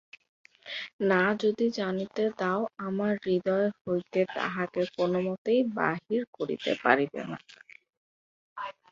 না যদি জানিতে দাও, আমার হৃদয় হইতে তাহাকে কোনোমতেই বাহির করিতে পারিবে না।